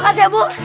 bu makasih ya bu